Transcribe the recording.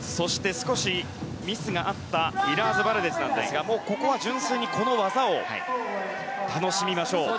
そして少しミスがあったウィラーズバルデズですがここは純粋にこの技を楽しみましょう。